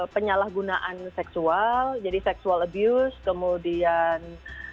penyalahgunaan seksual jadi seksual abuse kemudian